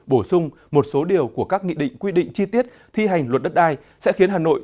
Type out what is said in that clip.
bổ sung một số điều của các nghị định quy định chi tiết thi hành luật đất đai sẽ khiến hà nội